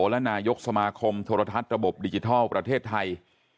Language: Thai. และนายกสมาคมโทรทัศน์ระบบดิจิทัลประเทศไทย